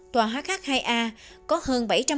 tòa hh hai a có hơn bảy trăm linh căn hộ